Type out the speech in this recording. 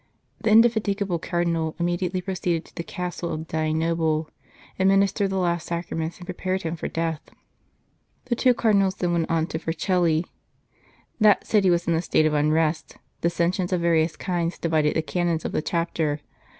The indefatigable Cardinal immediately pro ceeded to the castle of the dying noble, adminis tered the last Sacraments, and prepared him for death. The two Cardinals then went on to Vercelli. That city was in a state of unrest ; dissensions of various kinds divided the Canons of the Chapter.